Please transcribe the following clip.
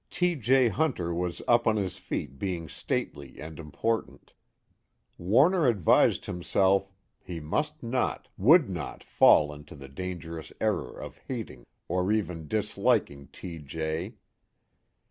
_ T. J. Hunter was up on his feet being stately and important. Warner advised himself: he must not, would not fall into the dangerous error of hating or even disliking T. J.